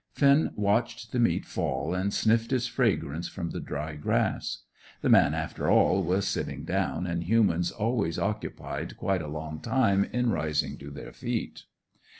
Finn watched the meat fall and sniffed its fragrance from the dry grass. The man, after all, was sitting down, and humans always occupied quite a long time in rising to their feet.